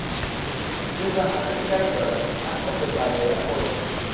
او به همه شک دارد حتی به برادرش خودش.